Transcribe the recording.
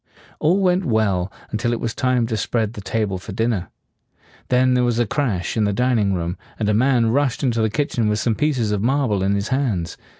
All went well until it was time to spread the table for dinner. Then there was a crash in the dining room, and a man rushed into the kitchen with some pieces of marble in his hands.